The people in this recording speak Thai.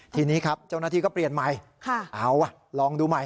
ทีนี้ครับเจ้าหน้าที่ก็เปลี่ยนใหม่เอาว่ะลองดูใหม่